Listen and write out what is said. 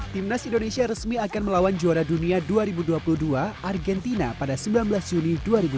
timnas indonesia resmi akan melawan juara dunia dua ribu dua puluh dua argentina pada sembilan belas juni dua ribu dua puluh